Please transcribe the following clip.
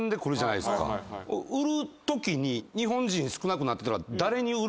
売るときに日本人少なくなってたら。